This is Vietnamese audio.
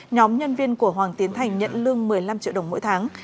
nhóm nhân viên của hoàng tiến thành nhận lương một mươi năm triệu đồng mỗi tháng